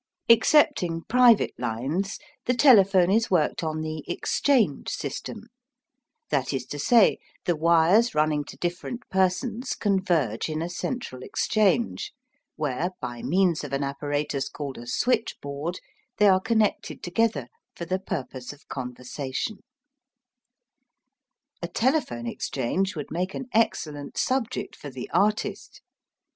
Excepting private lines, the telephone is worked on the "exchange system" that is to say, the wires running to different persons converge in a central exchange, where, by means of an apparatus called a "switch board," they are connected together for the purpose of conversation A telephone exchange would make an excellent subject for the artist.